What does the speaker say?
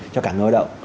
cho cả người lao động